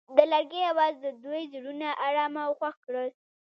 د لرګی اواز د دوی زړونه ارامه او خوښ کړل.